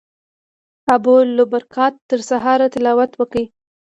ابوالبرکات تر سهاره تلاوت وکړ.